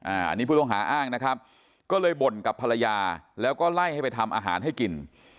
อันนี้ผู้ต้องหาอ้างนะครับก็เลยบ่นกับภรรยาแล้วก็ไล่ให้ไปทำอาหารให้กิน